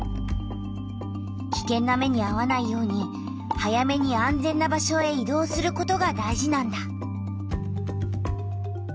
きけんな目にあわないように早めに安全な場所へ移動することが大事なんだ。